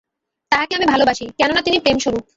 তাঁহাকে আমি ভালবাসি, কেন না তিনি প্রেমস্বরূপ।